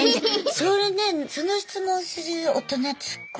それねその質問する大人ってすっごい。